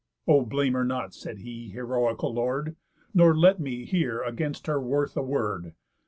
"O blame her not," said he, "heroical lord, Nor let me hear against her worth a word.